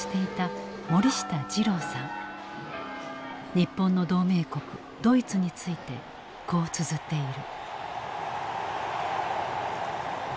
日本の同盟国ドイツについてこうつづっている。